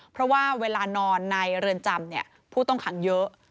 เพราะว่าเวลานอนในเรือนจำผู้ต้องขังเยอะ